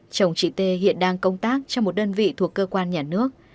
chồng chị tê hiện đang công tác trong một đơn vị thuộc cơ quan nhà nước